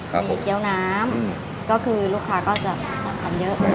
ครับผมมีเกี๊ยวน้ำอืมก็คือลูกค้าก็จะเยอะ